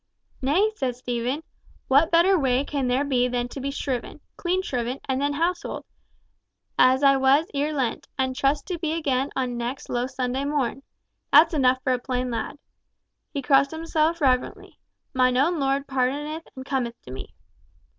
"Nay," said Stephen, "what better way can there be than to be shriven—clean shriven—and then houselled, as I was ere Lent, and trust to be again on next Low Sunday morn? That's enough for a plain lad." He crossed himself reverently, "Mine own Lord pardoneth and cometh to me."